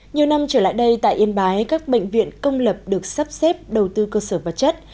nhiều năm trở lại đây tại yên bái các bệnh viện công lập được sắp xếp đầu tư cơ sở vật chất